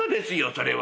それは。